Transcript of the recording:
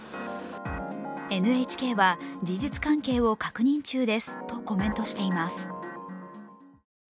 ＮＨＫは、事実関係を確認中ですとコメントしています。